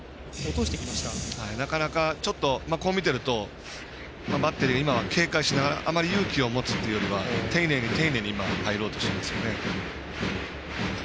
なかなか、ちょっとこう見てるとバッテリーが今は警戒しながらあまり勇気を持つというより丁寧に丁寧に入ろうとしていますよね。